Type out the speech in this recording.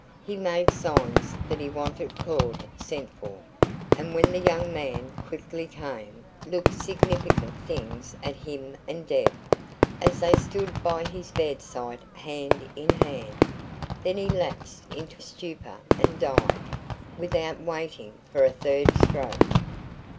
He made signs that he wanted Claud sent for, and when the young man quickly came, looked significant things at him and Deb, as they stood by his bedside hand in hand. Then he lapsed into stupor and died, without waiting for a third stroke.